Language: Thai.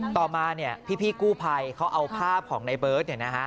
ต่อมาพี่กู้ภัยเขาเอาภาพของในเบิร์ต